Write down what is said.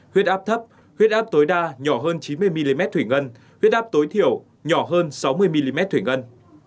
huyết áp thấp huyết áp tối đa nhỏ hơn chín mươi mm thủy ngân huyết áp tối thiểu nhỏ hơn sáu mươi mm thủy ngân